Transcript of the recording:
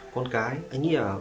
con cái anh nghĩ là